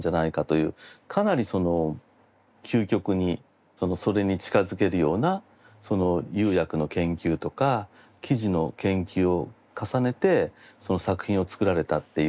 かなり究極にそれに近づけるような釉薬の研究とか生地の研究を重ねて作品を作られたっていう。